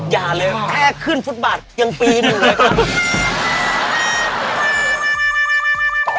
อย่าเลยแค่ขึ้นฟุตบอทอย่างปีหนึ่งเลย